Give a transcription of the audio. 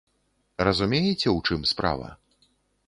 Разумееце, у чым справа?